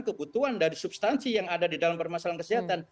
kebutuhan dari substansi yang ada di dalam permasalahan kesehatan